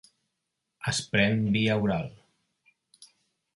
Es pren via oral.